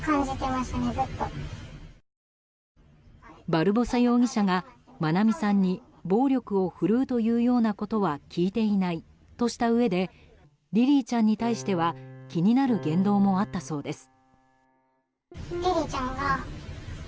バルボサ容疑者が愛美さんに暴力を振るうというようなことは聞いていないとしたうえでリリィちゃんに対しては気になる言動もあったそうです。